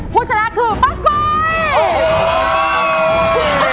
ผู้ชนะคือป้ากอย